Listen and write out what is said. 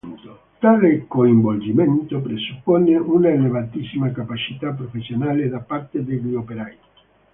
Tale coinvolgimento presuppone un'elevatissima capacità professionale da parte degli operai.